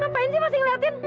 ngapain sih masih ngeliatin